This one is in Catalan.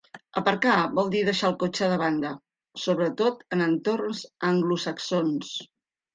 Aparcar vol dir deixar el cotxe de banda, sobretot en entorns anglosaxons.